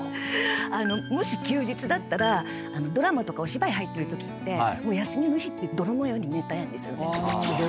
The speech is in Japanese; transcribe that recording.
もし休日だったらドラマとかお芝居入ってるときって休みの日って泥のように寝たいんですよね。